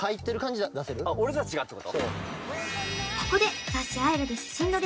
俺達がってこと？